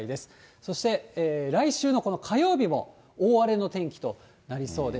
そして来週の火曜日も大荒れの天気となりそうです。